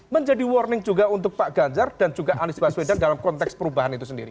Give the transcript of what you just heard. menjadi warning juga untuk pak ganjar dan juga anies baswedan dalam konteks perubahan itu sendiri